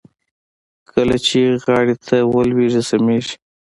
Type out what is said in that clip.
کله چې غاړې ته ولوېږي سميږي.